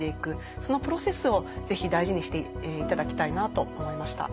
そのプロセスをぜひ大事にして頂きたいなと思いました。